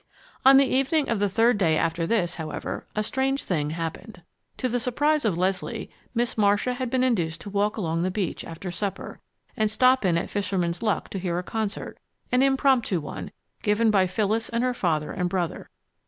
On the evening of the third day after this, however, a strange thing happened. To the surprise of Leslie, Miss Marcia had been induced to walk along the beach, after supper, and stop in at Fisherman's Luck to hear a concert an impromptu one given by Phyllis and her father and brother.